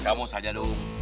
kamu saja dung